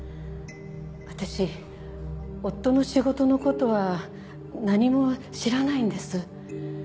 私夫の仕事の事は何も知らないんです。